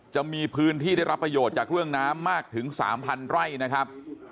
จะมีพื้นที่ได้รับประโยชน์จากเรื่องน้ำมากถึง๓๐๐ไร่นะครับ